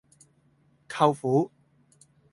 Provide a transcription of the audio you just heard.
舅父